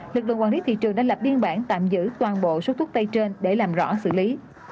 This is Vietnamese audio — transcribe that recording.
lực lượng quản lý thị trường đã lập biên bản tạm giữ toàn bộ số thuốc tây trên để làm rõ xử lý